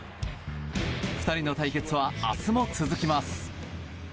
２人の対決は明日も続きます。